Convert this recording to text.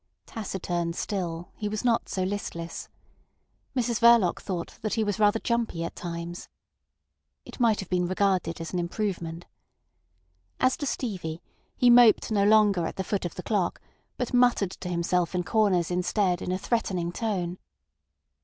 Taciturn still, he was not so listless. Mrs Verloc thought that he was rather jumpy at times. It might have been regarded as an improvement. As to Stevie, he moped no longer at the foot of the clock, but muttered to himself in corners instead in a threatening tone.